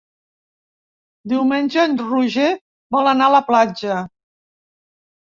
Diumenge en Roger vol anar a la platja.